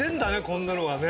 こんなのがね。